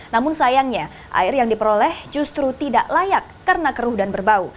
namun sayangnya air yang diperoleh justru tidak layak karena keruh dan berbau